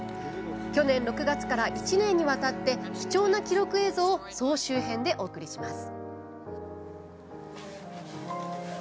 去年６月から１年にわたって貴重な記録映像を総集編でお送りします。